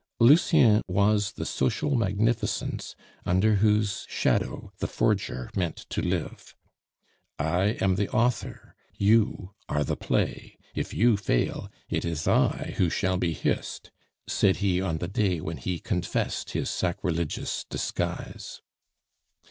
Lucien was the social magnificence under whose shadow the forger meant to live. "I am the author, you are the play; if you fail, it is I who shall be hissed," said he on the day when he confessed his sacrilegious disguise.